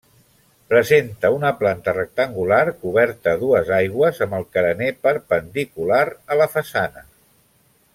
Presenta una planta rectangular coberta a dues aigües amb el carener perpendicular a la façana.